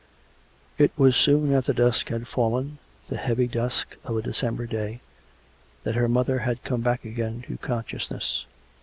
It was soon after dusk had fallen — the heavy dusk of a December day — that her mother had come back again to consciousness.